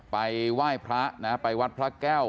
ไปไหว้พระนะไปวัดพระแก้ว